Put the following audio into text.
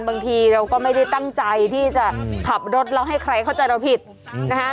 บางทีเราก็ไม่ได้ตั้งใจที่จะขับรถแล้วให้ใครเข้าใจเราผิดนะฮะ